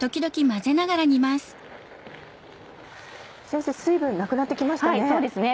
先生水分なくなって来ましたね。